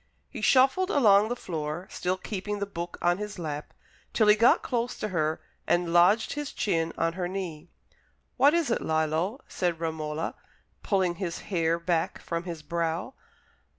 He shuffled along the floor, still keeping the book on his lap, till he got close to her and lodged his chin on her knee. "What is it, Lillo?" said Romola, pulling his hair back from his brow.